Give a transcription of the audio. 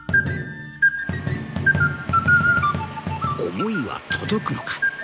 思いは届くのか。